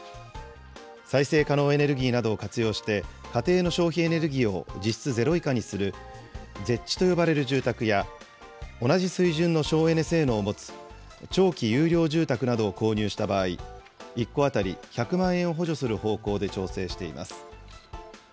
再生可能エネルギーなどを活用して、家庭の消費エネルギーを実質ゼロ以下にするＺＥＨと呼ばれる住宅や、同じ水準の省エネ性能を持つ長期優良住宅などを購入した場合、１戸当たり１００万円を補助する方向で調整しています。